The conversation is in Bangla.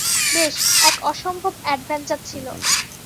বেশ, এক অসম্ভব অ্যাডভেঞ্চার ছিল।